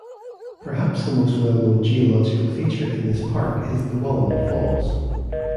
Perhaps the most well known geological feature in this park is the Wallaman Falls.